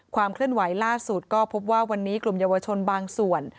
เคลื่อนไหวล่าสุดก็พบว่าวันนี้กลุ่มเยาวชนบางส่วน